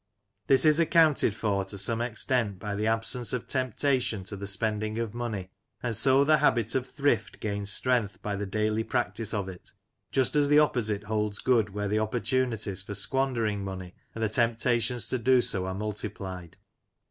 This is accounted for to some extent by the absence of temptation to the spending of money, and so the habit of thrift gains strength by the daily practice of it, just as the opposite holds good where the opportunities for squandering money and the temptations to do so are multiplied.